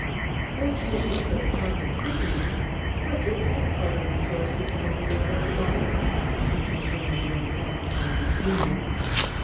Fortunately for the cause of Christendom, Frederick had other resources than the mere force of arms, which was rendered ineffective by disunion.